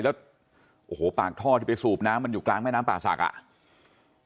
แล้วโอ้โหปากท่อที่ไปสูบน้ำมันอยู่กลางแม่น้ำป่าศักดิ์อ่ะ